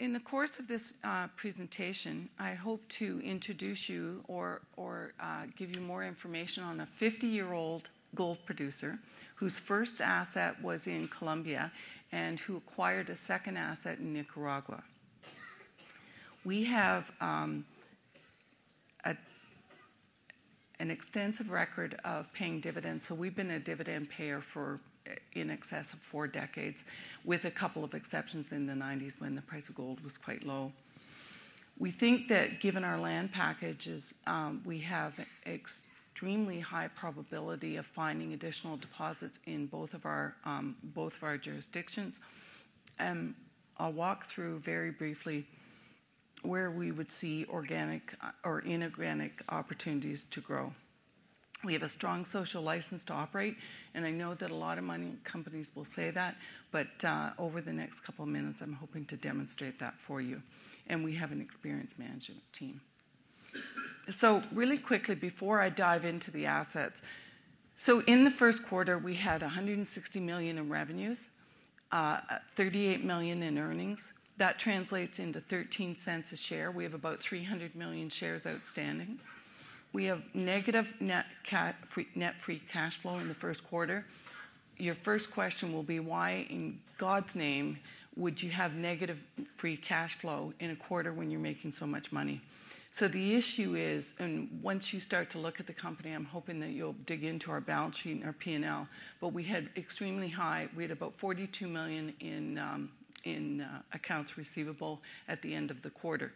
In the course of this presentation, I hope to introduce you or give you more information on a 50 year old gold producer whose first asset was in Colombia and who acquired a second asset in Nicaragua. We have an extensive record of paying dividends, so we've been a dividend payer for in excess of four decades, with a couple of exceptions in the 1990s when the price of gold was quite low. We think that, given our land packages, we have an extremely high probability of finding additional deposits in both of our jurisdictions. I'll walk through very briefly where we would see organic or inorganic opportunities to grow. We have a strong social license to operate, and I know that a lot of mining companies will say that, but over the next couple of minutes, I'm hoping to demonstrate that for you. We have an experienced management team. Really quickly, before I dive into the assets, in the Q1, we had $160 million in revenues, $38 million in earnings. That translates into $0.13 a share. We have about 300 million shares outstanding. We have negative net free cash flow in the Q1. Your first question will be, why in God's name would you have negative free cash flow in a quarter when you're making so much money? The issue is, and once you start to look at the company, I'm hoping that you'll dig into our balance sheet and our P&L, but we had about $42 million in accounts receivable at the end of the quarter.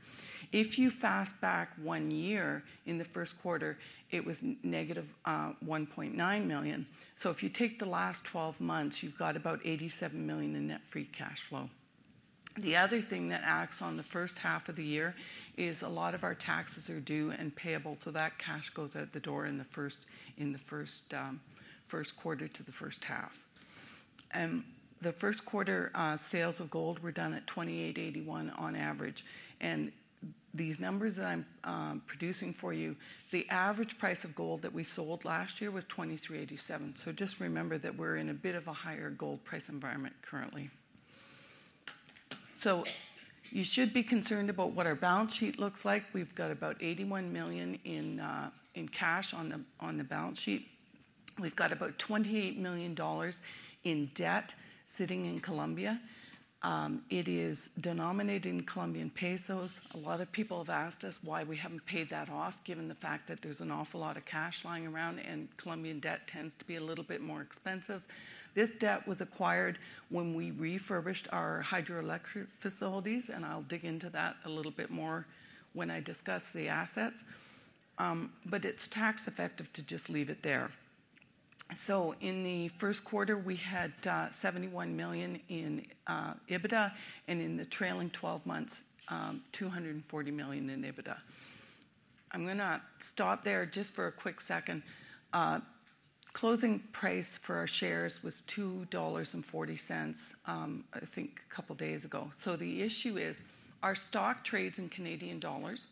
If you flash back one year, in the Q1, it was -$1.9 million. So if you take the last 12 months, you've got about $87 million in net free cash flow. The other thing that acts on the first half of the year is a lot of our taxes are due and payable, so that cash goes out the door in the Q1 to the first half. And the Q1 sales of gold were done at $2,881 on average. And these numbers that I'm producing for you, the average price of gold that we sold last year was $2,387. So just remember that we're in a bit of a higher gold price environment currently. So you should be concerned about what our balance sheet looks like. We've got about $81 million in cash on the balance sheet. We've got about $28 million in debt sitting in Colombia. It is denominated in Colombian pesos. A lot of people have asked us why we haven't paid that off, given the fact that there's an awful lot of cash lying around, and Colombian debt tends to be a little bit more expensive. This debt was acquired when we refurbished our hydroelectric facilities, and I'll dig into that a little bit more when I discuss the assets. But it's tax-effective to just leave it there. So in the Q1, we had $71 million in EBITDA, and in the trailing 12 months, $240 million in EBITDA. I'm going to stop there just for a quick second. Closing price for our shares was 2.40 dollars, I think a couple of days ago. So the issue is our stock trades in Canadian dollars,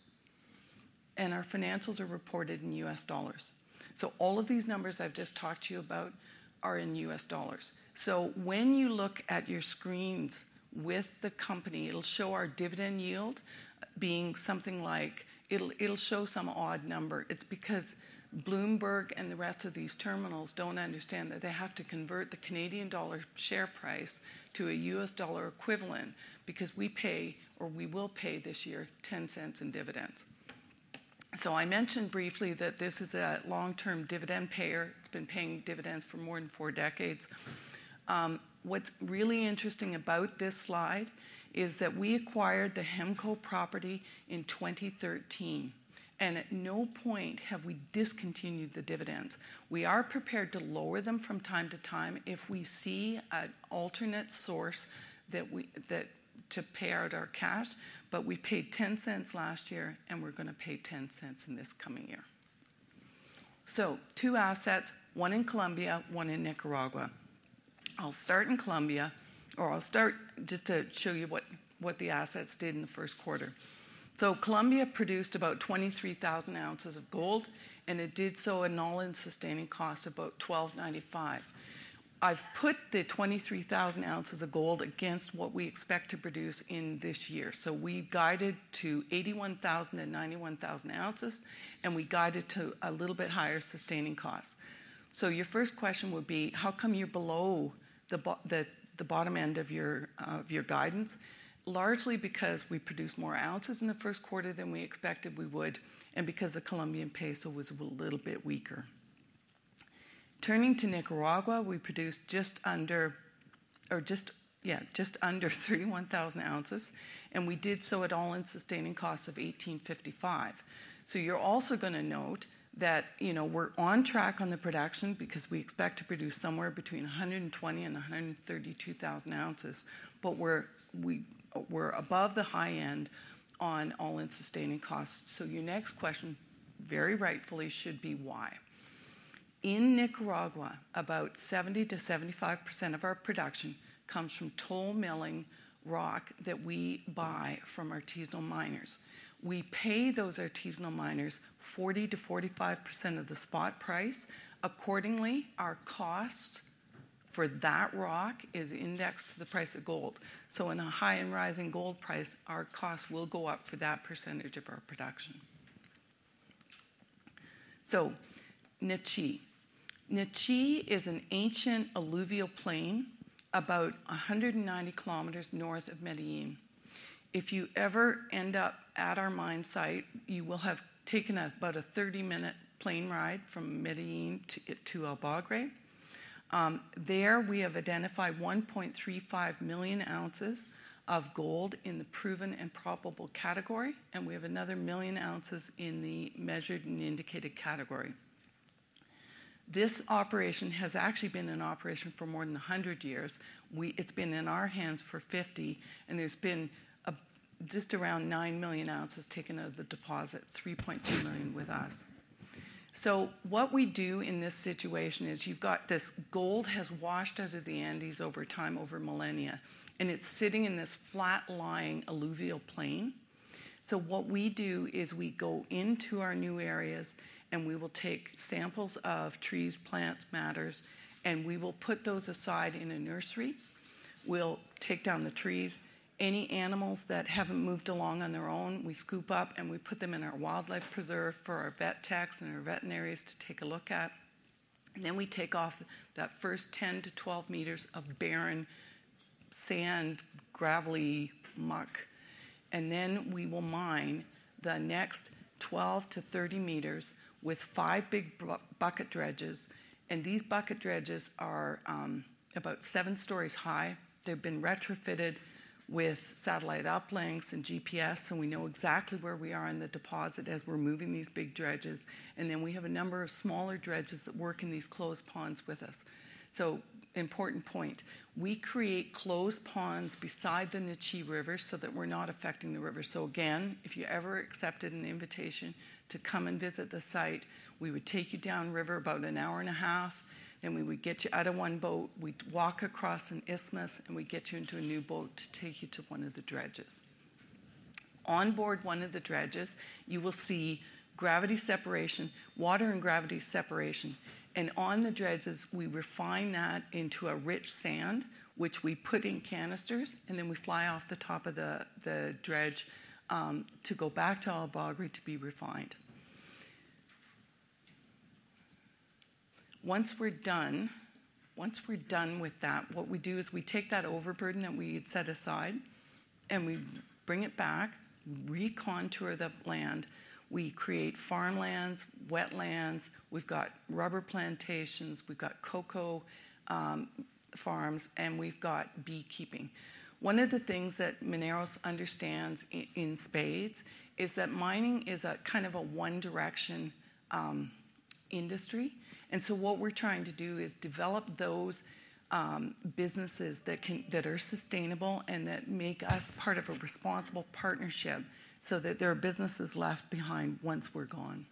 and our financials are reported in U.S. dollars. So all of these numbers I've just talked to you about are in U.S. dollars. When you look at your screens with the company, it'll show our dividend yield being something like, it'll show some odd number. It's because Bloomberg and the rest of these terminals don't understand that they have to convert the Canadian dollar share price to a U.S. dollar equivalent because we pay, or we will pay this year, 0.10 in dividends. I mentioned briefly that this is a long-term dividend payer. It's been paying dividends for more than four decades. What's really interesting about this slide is that we acquired the Hemco property in 2013, and at no point have we discontinued the dividends. We are prepared to lower them from time to time if we see an alternate source to pay out our cash, but we paid 0.10 last year, and we're going to pay 0.10 in this coming year. So two assets, one in Colombia, one in Nicaragua. I'll start in Colombia, or I'll start just to show you what the assets did in the Q1. So Colombia produced about 23,000 ounces of gold, and it did so at an all-in sustaining cost of about $12.95. I've put the 23,000 ounces of gold against what we expect to produce in this year. So we guided to 81,000 ounces and 91,000 ounces, and we guided to a little bit higher sustaining cost. So your first question would be, how come you're below the bottom end of your guidance? Largely because we produced more ounces in the Q1 than we expected we would, and because the Colombian peso was a little bit weaker. Turning to Nicaragua, we produced just under, yeah, just under 31,000 ounces, and we did so at all-in sustaining cost of $1,855. You're also going to note that we're on track on the production because we expect to produce somewhere between 120,000 ounces and 132,000 ounces, but we're above the high end on all-in sustaining cost. Your next question, very rightfully, should be why. In Nicaragua, about 70% to 75% of our production comes from toll milling rock that we buy from artisanal miners. We pay those artisanal miners 40% to 45% of the spot price. Accordingly, our cost for that rock is indexed to the price of gold. Nechí. Nechí is an ancient alluvial plain about 190 km north of Medellín. If you ever end up at our mine site, you will have taken about a 30 minute plane ride from Medellín to El Bagre. There we have identified 1.35 million ounces of gold in the proven and probable category, and we have another million ounces in the measured and indicated category. This operation has actually been an operation for more than 100 years. It's been in our hands for 50, and there's been just around 9 million ounces taken out of the deposit, 3.2 million with us. So what we do in this situation is you've got this gold that has washed out of the Andes over time, over millennia, and it's sitting in this flat-lying alluvial plain. So what we do is we go into our new areas, and we will take samples of trees, plants, matters, and we will put those aside in a nursery. We'll take down the trees. Any animals that haven't moved along on their own, we scoop up, and we put them in our wildlife preserve for our vet techs and our veterinarians to take a look at. Then we take off that first 10 meters to 12 meters of barren sand, gravelly, muck, and then we will mine the next 12 meters to 30 meters with five big bucket dredges. And these bucket dredges are about seven stories high. They've been retrofitted with satellite uplinks and GPS, so we know exactly where we are in the deposit as we're moving these big dredges. And then we have a number of smaller dredges that work in these closed ponds with us. So important point, we create closed ponds beside the Nechí River so that we're not affecting the river. So again, if you ever accepted an invitation to come and visit the site, we would take you downriver about an hour and a half, then we would get you out of one boat, we'd walk across an isthmus, and we'd get you into a new boat to take you to one of the dredges. On board one of the dredges, you will see gravity separation, water and gravity separation, and on the dredges, we refine that into a rich sand, which we put in canisters, and then we fly off the top of the dredge to go back to El Bagre to be refined. Once we're done, once we're done with that, what we do is we take that overburden that we had set aside, and we bring it back, we recontour the land, we create farmlands, wetlands, we've got rubber plantations, we've got cocoa farms, and we've got beekeeping. One of the things that Mineros understands in spades is that mining is a kind of a one-direction industry, and so what we're trying to do is develop those businesses that are sustainable and that make us part of a responsible partnership so that there are businesses left behind once we're gone.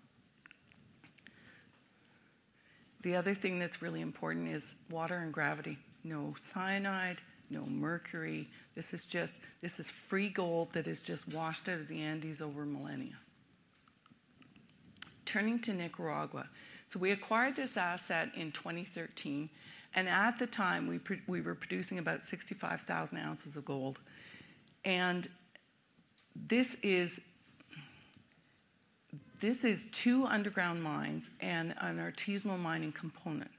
The other thing that's really important is water and gravity. No cyanide, no mercury. This is just free gold that has just washed out of the Andes over millennia. Turning to Nicaragua. So we acquired this asset in 2013, and at the time, we were producing about 65,000 ounces of gold. This is two underground mines and an artisanal mining component.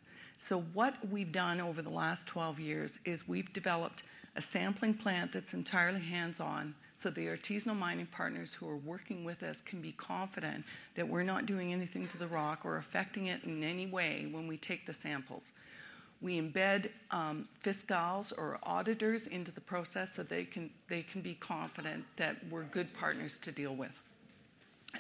What we've done over the last 12 years is we've developed a sampling plant that's entirely hands-on so the artisanal mining partners who are working with us can be confident that we're not doing anything to the rock or affecting it in any way when we take the samples. We embed fiscals or auditors into the process so they can be confident that we're good partners to deal with.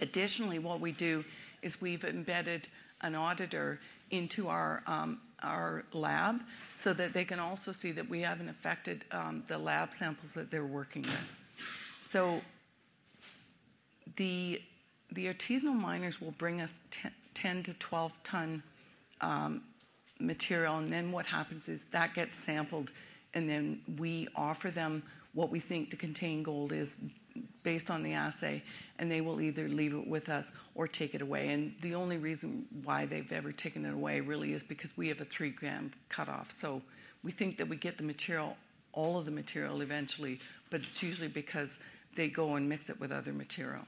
Additionally, what we do is we've embedded an auditor into our lab so that they can also see that we haven't affected the lab samples that they're working with. The artisanal miners will bring us 10 to 12 ton material, and then what happens is that gets sampled, and then we offer them what we think to contain gold based on the assay, and they will either leave it with us or take it away. And the only reason why they've ever taken it away really is because we have a three gram cutoff. So we think that we get the material, all of the material eventually, but it's usually because they go and mix it with other material.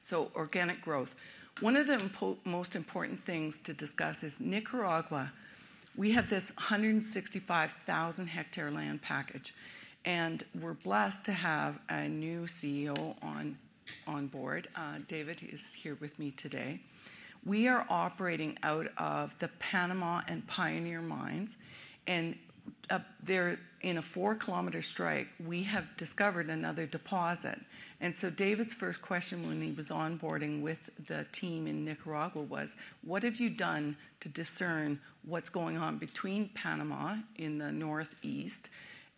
So organic growth. One of the most important things to discuss is Nicaragua. We have this 165,000 hectare land package, and we're blessed to have a new CEO on board. David, he is here with me today. We are operating out of the Panama and Pioneer mines, and they're in a four kilometer strike. We have discovered another deposit. David first question when he was onboarding with the team in Nicaragua was, what have you done to discern what's going on between Panama in the northeast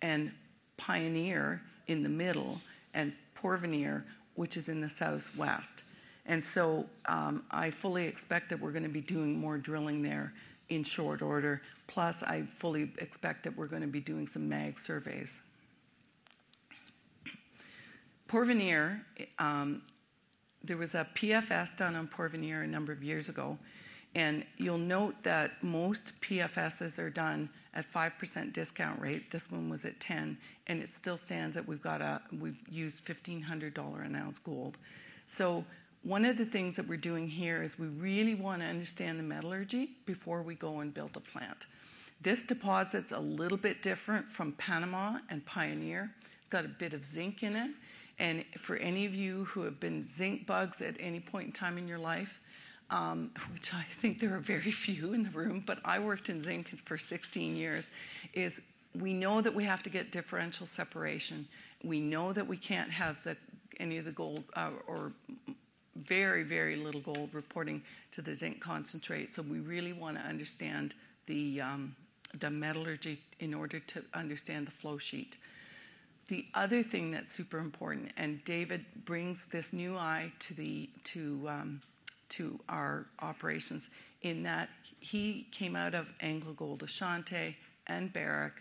and Pioneer in the middle and Porvenir, which is in the southwest? And so I fully expect that we're going to be doing more drilling there in short order. Plus, I fully expect that we're going to be doing some MAG surveys. Porvenir, there was a PFS done on Porvenir a number of years ago, and you'll note that most PFSs are done at a 5% discount rate. This one was at 10%, and it still stands that we've used $1,500 an ounce gold. So one of the things that we're doing here is we really want to understand the metallurgy before we go and build a plant. This deposit's a little bit different from Panama and Pioneer. It's got a bit of zinc in it. And for any of you who have been zinc bugs at any point in time in your life, which I think there are very few in the room, but I worked in zinc for 16 years, is we know that we have to get differential separation. We know that we can't have any of the gold or very, very little gold reporting to the zinc concentrate, so we really want to understand the metallurgy in order to understand the flow sheet. The other thing that's super important, and David brings this new eye to our operations in that he came out of AngloGold Ashanti and Barrick,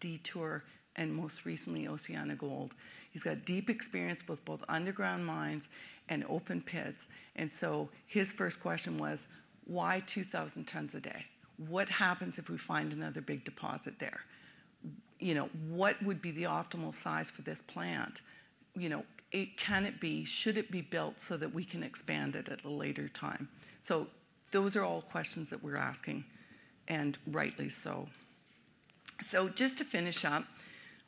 Detour, and most recently OceanaGold. He's got deep experience with both underground mines and open pits, and so his first question was, why 2,000 tons a day? What happens if we find another big deposit there? What would be the optimal size for this plant? Can it be? Should it be built so that we can expand it at a later time? So those are all questions that we're asking, and rightly so. So just to finish up,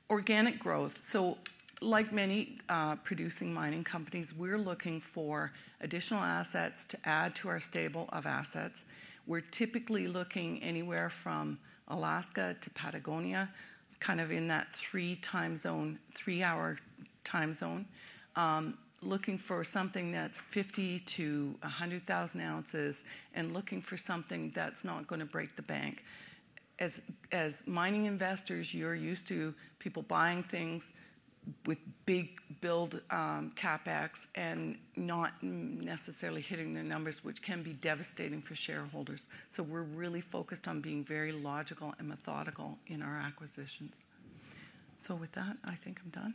organic growth. So like many producing mining companies, we're looking for additional assets to add to our stable of assets. We're typically looking anywhere from Alaska to Patagonia, kind of in that three-hour time zone, looking for something that's 50,000 ounces to 100,000 ounces and looking for something that's not going to break the bank. As mining investors, you're used to people buying things with big build CapEx and not necessarily hitting their numbers, which can be devastating for shareholders. So we're really focused on being very logical and methodical in our acquisitions. So with that, I think I'm done.